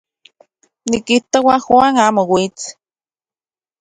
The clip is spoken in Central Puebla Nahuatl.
Nikijtoa Juan amo uits.